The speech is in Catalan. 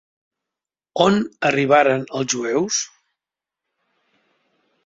On arribaren els jueus?